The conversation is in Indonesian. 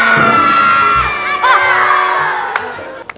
gak ada lagi